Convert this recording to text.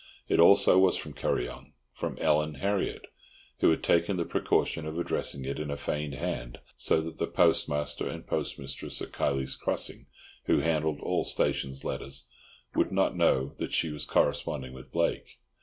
It also was from Kuryong—from Ellen Harriott, who had taken the precaution of addressing it in a feigned hand so that the postmaster and postmistress at Kiley's Crossing, who handled all station letters, would not know that she was corresponding with Blake.